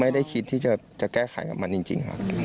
ไม่ได้คิดที่จะแก้ไขกับมันจริงครับ